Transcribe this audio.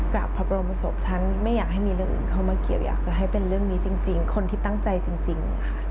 กับพระบรมศพฉันไม่อยากให้มีเรื่องอื่นเข้ามาเกี่ยวอยากจะให้เป็นเรื่องนี้จริงคนที่ตั้งใจจริงค่ะ